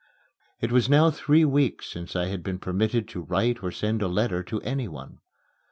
It was now three weeks since I had been permitted to write or send a letter to anyone.